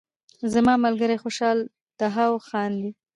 زما ملګری خوشحاله دهاو خاندي